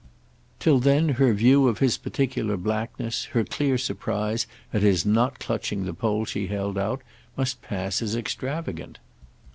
Till then her view of his particular blackness, her clear surprise at his not clutching the pole she held out, must pass as extravagant.